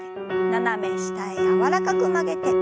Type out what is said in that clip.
斜め下へ柔らかく曲げて。